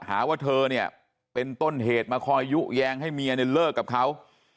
หาว่าเธอเนี่ยเป็นต้นเหตุมาคอยยุแย้งให้เมียเนี่ยเลิกกับเขา